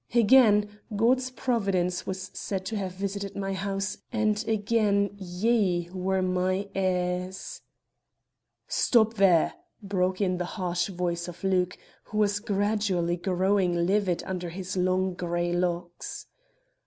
"Again, God's providence was said to have visited my house; and again ye were my heirs." "Stop there!" broke in the harsh voice of Luke, who was gradually growing livid under his long gray locks.